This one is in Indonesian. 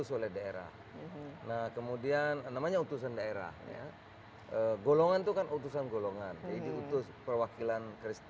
nah kemudian namanya utusan daerah nih golongan bukan utusan golongan chodzi upus perwakilan